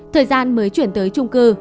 thời gian mới chuyển tới trung cư